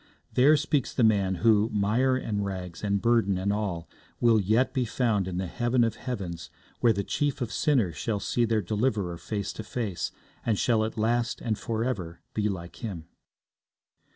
There speaks the man, who, mire, and rags, and burdens and all, will yet be found in the heaven of heavens where the chief of sinners shall see their Deliverer face to face, and shall at last and for ever be like Him.